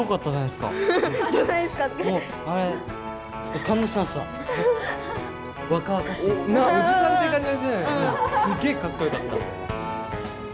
すげえかっこよかった。